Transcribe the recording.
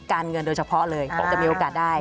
มีการเงินโดยเฉพาะเลยบอกแต่มีโอกาสได้